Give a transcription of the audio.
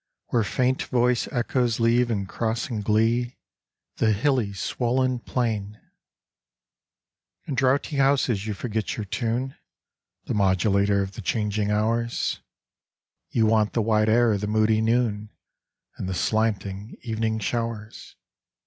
Where faint voiced echoes leave and cross in glee The hilly swollen plain. In draughty houses you forget your tune, The modulator of the changing hours, 32 TO A LINNET IN A CAGE 33 You want the wide air of the moody noon, And the slanting evening showers.